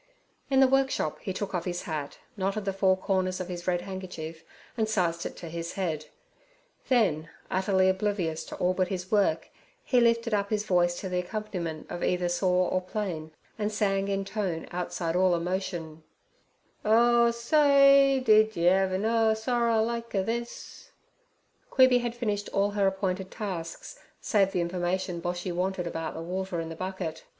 In the workshop he took off his hat, knotted the four corners of his red handkerchief and sized it to his head; then, utterly oblivious to all but his work, he lifted up his voice to the accompaniment of either saw or plane, and sang in tone outside all emotion: 'Oh say, did yer ever know sorrer lik—er this?' Queeby had finished all her appointed tasks, save the information Boshy wanted about the water in the bucket.